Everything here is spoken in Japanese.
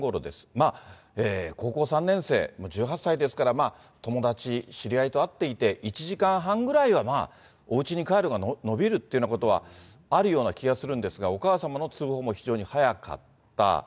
まあ高校３年生、もう１８歳ですから、友達、知り合いと会っていて、１時間半ぐらいは、まあ、おうちに帰るのが延びるというようなことはあるような気がするんですが、お母様の通報も非常に早かった。